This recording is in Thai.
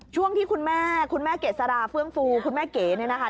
ช่วงที่คุณแม่เก๋ศราเฟื้องฟูคุณแม่เก๋นี่นะคะ